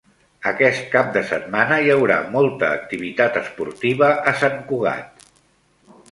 Aquest cap de setmana hi haurà molta activitat esportiva a Sant Cugat.